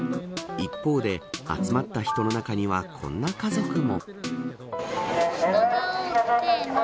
一方で集まった人の中にはこんな家族も。